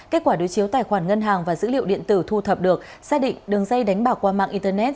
kết quả đối chiếu tài khoản ngân hàng và dữ liệu điện tử thu thập được xác định đường dây đánh bạc qua mạng internet